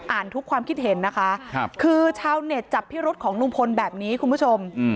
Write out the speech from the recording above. ทุกความคิดเห็นนะคะคือชาวเน็ตจับพิรุษของลุงพลแบบนี้คุณผู้ชม